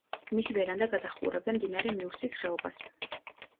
მისი ვერანდა გადაჰყურებდა მდინარე მიუსის ხეობას.